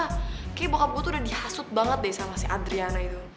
kayaknya boka buku tuh udah dihasut banget deh sama si adriana itu